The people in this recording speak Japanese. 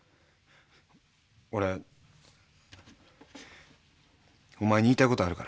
俺お前に言いたいことあるから。